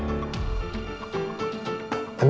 jadi orang lemah